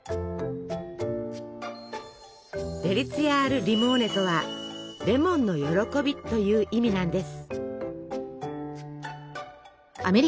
デリツィアアルリモーネとは「レモンの歓び」という意味なんです。